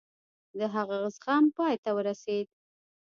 د هغه زغم پای ته ورسېد.